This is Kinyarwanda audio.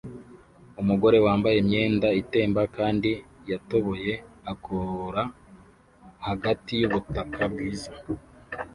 Umugore wambaye imyenda itemba kandi yatoboye akora hagati yubutaka bwiza